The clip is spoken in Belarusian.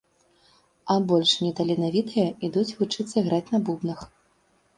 А больш неталенавітыя ідуць вучыцца граць на бубнах.